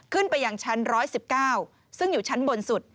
ขึ้นไปยังชั้น๑๑๙ซึ่งอยู่ชั้นบนสุด